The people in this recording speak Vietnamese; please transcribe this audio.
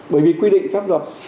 bởi vì quy định pháp luật